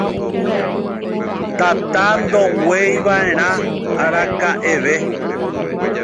Tata ndogueivaʼerã arakaʼeve.